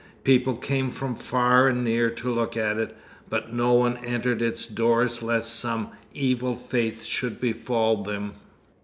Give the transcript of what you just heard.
People came from far and near to look at it, but no one entered its doors lest some evil fate should befall them.